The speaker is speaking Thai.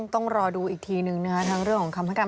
ต้องรอดูอีกทีนึงนะคะทั้งเรื่องของคำให้การ